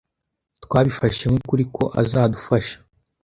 Twabifashe nk'ukuri ko azadufasha.